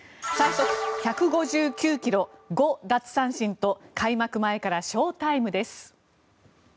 最速１５９ｋｍ５奪三振と開幕前からショータイムです。